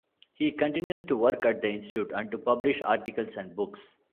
He continues to work at the Institute, and to publish articles and books.